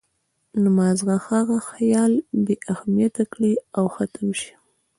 نو مازغۀ هغه خيال بې اهميته کړي او ختم شي